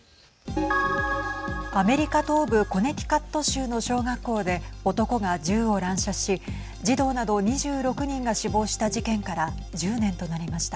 アメリカ東部コネティカット州の小学校で男が銃を乱射し児童など２６人が死亡した事件から１０年となりました。